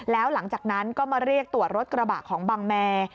แล้วหลังจากนั้นก็มาเรียกตรวจรถกระบะของบังแม